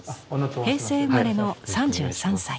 平成生まれの３３歳。